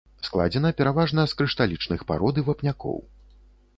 Складзена пераважна з крышталічных парод і вапнякоў.